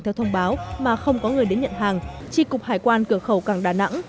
theo thông báo mà không có người đến nhận hàng tri cục hải quan cửa khẩu cảng đà nẵng